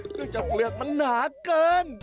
เนื่องจากเปลือกมันหนาเกิน